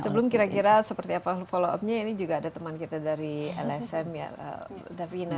sebelum kira kira seperti apa follow up nya ini juga ada teman kita dari lsm ya davina